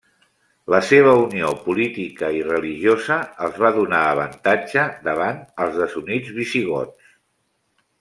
La seva unió política i religiosa els va donar avantatge davant els desunits visigots.